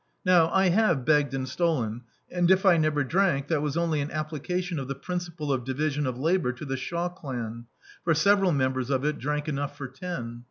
Now I have begged and stolen; and if I never drank, that was only an application of the principle of division of labour to the Shaw clan; for several members of it drank enough for ten.